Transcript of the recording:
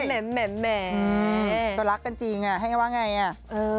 แหม่ตัวรักกันจริงอะให้ว่าไงอะ